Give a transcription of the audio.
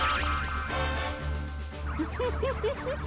ウフフフフ。